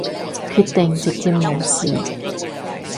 決定直接無視